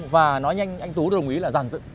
và nói nhanh anh tú đồng ý là giàn dựng